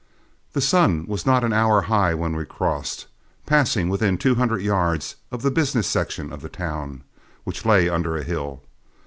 The sun was not an hour high when we crossed, passing within two hundred yards of the business section of the town, which lay under a hill.